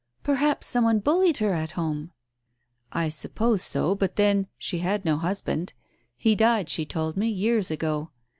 "Perhaps some one bullied her at home." "I suppose so, but then — she had no husband. He died, she told me, years ago.